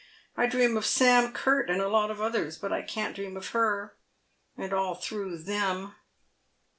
I dream of Sam Curt and a lot of others, but I can't dream of her, and all through them."